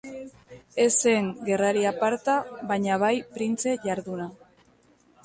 Ez zen gerrari aparta baina bai printze jarduna.